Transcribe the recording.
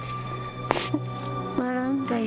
笑うんだよ。